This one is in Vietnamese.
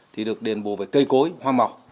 thì được đền bù với cây cối hoa mọc